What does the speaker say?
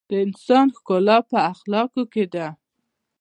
د انسان ښکلا په اخلاقو ده.